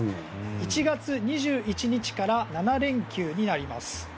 １月２１日から７連休になります。